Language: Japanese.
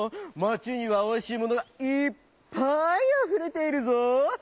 町にはおいしいものがいっぱいあふれているぞ」。